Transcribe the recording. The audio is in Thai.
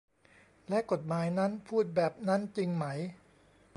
และกฎหมายนั้นพูดแบบนั้นจริงไหม